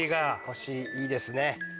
腰いいですね。